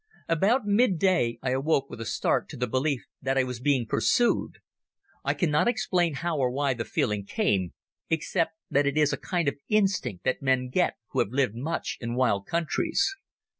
About midday I awoke with a start to the belief that I was being pursued. I cannot explain how or why the feeling came, except that it is a kind of instinct that men get who have lived much in wild countries.